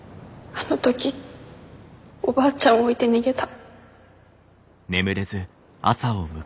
あの時おばあちゃんを置いて逃げた。